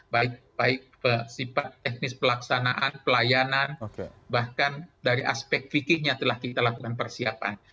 baik baik sifat teknis pelaksanaan pelayanan bahkan dari aspek fikihnya telah kita lakukan persiapan